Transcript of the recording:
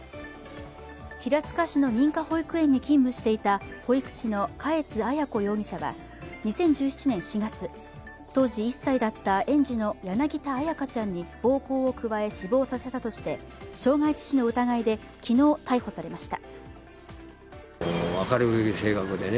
平塚市の認可保育園に勤務していた保育士の嘉悦彩子容疑者は２０１７年４月、当時１歳だった園児の柳田彩花ちゃんに暴行を加え死亡させたとして傷害致死の疑いで昨日、逮捕されました。